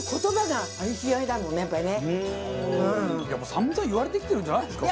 散々言われてきてるんじゃないんですか？